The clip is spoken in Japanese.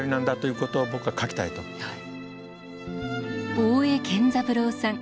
大江健三郎さん。